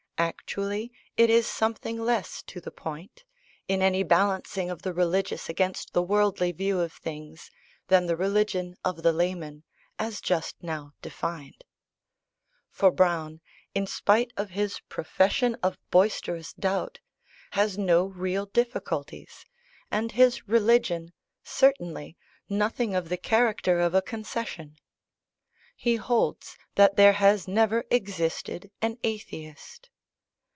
Actually, it is something less to the point, in any balancing of the religious against the worldly view of things, than the religion of the layman, as just now defined. For Browne, in spite of his profession of boisterous doubt, has no real difficulties, and his religion, certainly, nothing of the character of a concession. He holds that there has never existed an atheist.